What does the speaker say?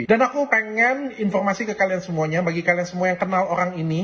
dan aku pengen informasi ke kalian semuanya bagi kalian semua yang kenal orang ini